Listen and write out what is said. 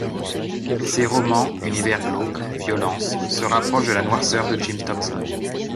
Ses romans, univers glauque, violence, se rapprochent de la noirceur de Jim Thompson.